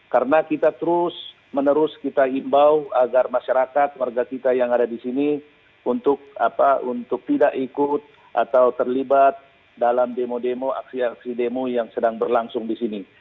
karena kita terus menerus kita imbau agar masyarakat warga kita yang ada di sini untuk tidak ikut atau terlibat dalam demo demo aksi aksi demo yang sedang berlangsung di sini